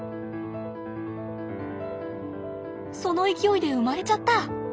その勢いで生まれちゃった。